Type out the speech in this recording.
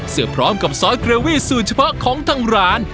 เสื้อพร้อมกับซอสเกรลวิสสูญเฉพาะของทางร้าน